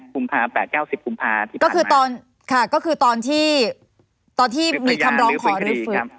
กุมภาคมแปดเก้าสิบกุมภาคมที่พันธุ์ไหมค่ะก็คือตอนที่ตอนที่มีคำลองขอหรือฝึก